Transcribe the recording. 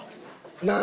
何？